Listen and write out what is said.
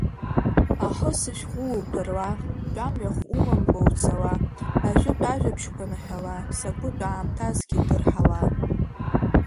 Аҳы, сышәҟәы, уԥырла, тәамҩахә умамкәа уцала, ажәытә ажәабжьқәа наҳәала, закәытә аамҭазгьы дырҳала.